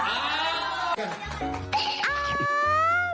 ๕เต็มกิจเหรอ